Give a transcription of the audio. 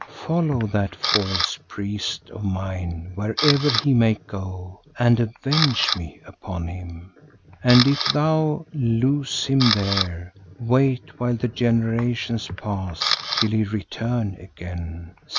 Follow that false priest of mine wherever he may go and avenge me upon him, and if thou lose him there, wait while the generations pass till he return again.